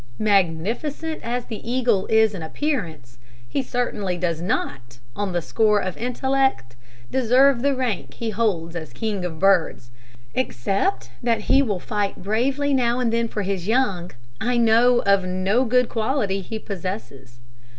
Magnificent as the eagle is in appearance, he certainly does not, on the score of intellect, deserve the rank he holds as king of birds. Except that he will fight bravely now and then for his young, I know of no good quality he possesses.